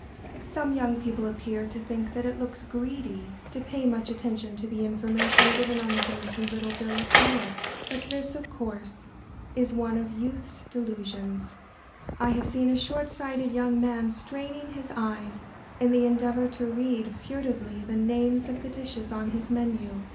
Some young people appear to think that it looks "greedy" to pay much attention to the information given on the dainty little bill of fare; but this, of course, is one of youth's delusions. I have seen a short sighted young man straining his eyes in the endeavour to read furtively the names of the dishes on his menu.